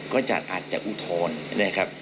ก็อาจจะอุทธรณ์นะครับ